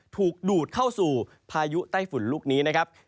ถูกดูดเข้าสู่พายุไต้ฝุ่นลูกนี้นะครับ